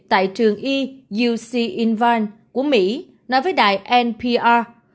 tại trường y uc invong của mỹ nói với đài npr